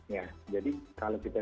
ya jadi kalau kita